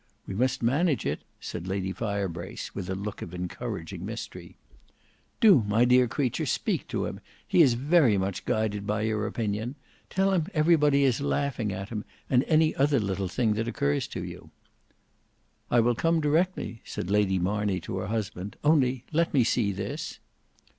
"We must manage it," said Lady Firebrace, with a look of encouraging mystery. "Do, my dear creature; speak to him; he is very much guided by your opinion. Tell him everybody is laughing at him, and any other little thing that occurs to you." "I will come directly," said Lady Marney to her husband, "only let me see this."